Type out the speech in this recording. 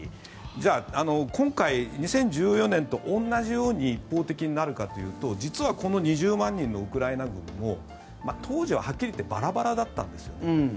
じゃあ、今回２０１４年と同じように一方的になるかというと実はこの２０万人のウクライナ軍も当時ははっきり言ってバラバラだったんですよね。